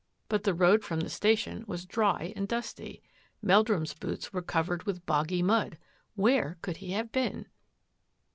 But the road from the station was dry and dusty. Meldrum's boots were covered with boggy mud. Where could he have been?